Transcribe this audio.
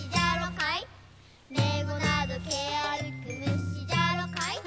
「めごなどけあるくむしじゃろかい」